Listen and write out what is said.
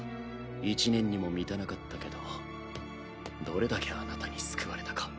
１年にも満たなかったけどどれだけあなたに救われたか。